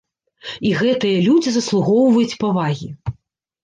І гэтыя людзі заслугоўваюць павагі.